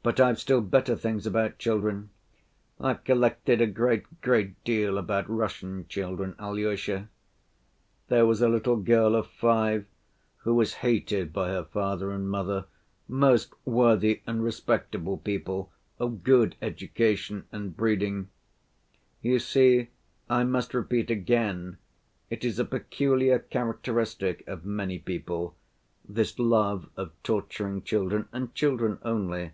"But I've still better things about children. I've collected a great, great deal about Russian children, Alyosha. There was a little girl of five who was hated by her father and mother, 'most worthy and respectable people, of good education and breeding.' You see, I must repeat again, it is a peculiar characteristic of many people, this love of torturing children, and children only.